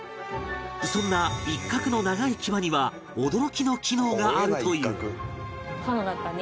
そんなイッカクの長い牙には驚きの機能があるという